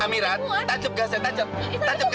amirat tancep gasnya tancep tancep gasnya